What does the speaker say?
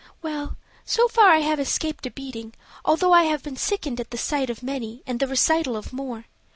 "Well, so far I have escaped a beating, although I have been sickened at the sight of many and the recital of more.